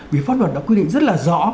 vì pháp luật đã quy định rất là rõ